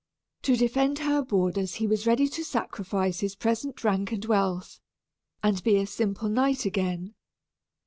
To defend her borders he was ready to sacrifice his present rank and wealth, and be a simple knight again.